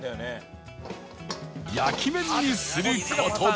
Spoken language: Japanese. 焼き麺にする事で